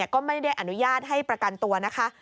ก็ไม่ได้อนุญาตให้ประกันตัวนะคะ